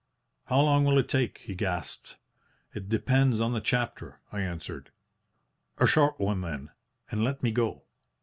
"'How long will it take?' he gasped. "'It depends on the chapter,' I answered. "'A short one, then, and let me go!'